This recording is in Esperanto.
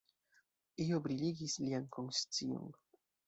Io briligis lian konscion.